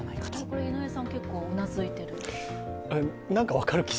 これ、井上さん、結構うなずいてる。